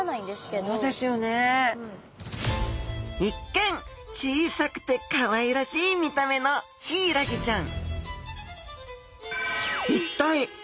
一見小さくてかわいらしい見た目のヒイラギちゃん。